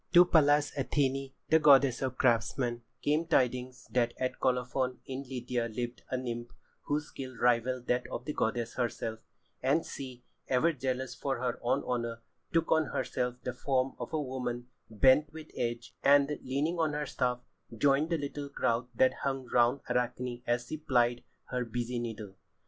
To Pallas Athené, goddess of craftsmen, came tidings that at Colophon in Lydia lived a nymph whose skill rivalled that of the goddess herself, and she, ever jealous for her own honour, took on herself the form of a woman bent with age, and, leaning on her staff, joined the little crowd that hung round Arachne as she plied her busy needle.